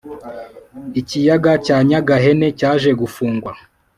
Ikiyaga cya nyagahene cyaje gufungwa